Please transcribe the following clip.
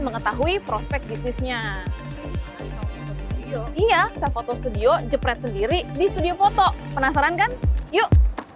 mengetahui prospek bisnisnya iya saya foto studio jepret sendiri di studio foto penasaran kan yuk